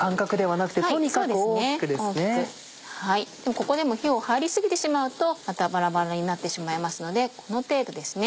ここでも火を入り過ぎてしまうとまたバラバラになってしまいますのでこの程度ですね。